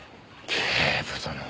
警部殿。